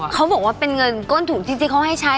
เขาบอกว่าเป็นเงินก้นถูกจริงเขาให้ใช้